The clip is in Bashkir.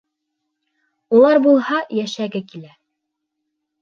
Улар булһа, йәшәге килә.